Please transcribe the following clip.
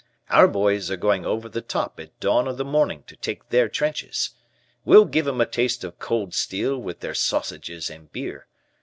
Our boys are going over the top at dawn of the morning to take their trenches. We'll give 'em a taste of cold steel with their sausages and beer.